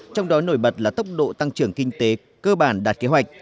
trong đó nổi bật là tốc độ tăng trưởng kinh tế cơ bản đạt kế hoạch